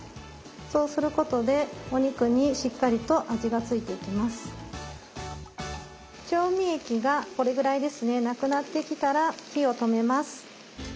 そうすることで調味液がこれぐらいですねなくなってきたら火を止めます。